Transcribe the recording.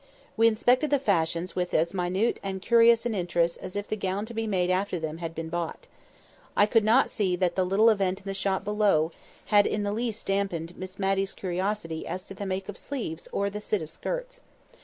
We inspected the fashions with as minute and curious an interest as if the gown to be made after them had been bought. I could not see that the little event in the shop below had in the least damped Miss Matty's curiosity as to the make of sleeves or the sit of skirts.